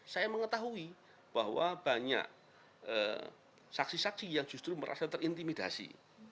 saya mengetahui bahwa banyak saksi saksi yang justru merasa terintimidasi